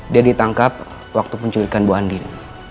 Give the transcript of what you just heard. dia ditangkap waktu penculikan bu andin